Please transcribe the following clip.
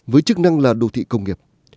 với chức năng là đô thị công nghiệp